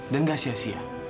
dan gak sia sia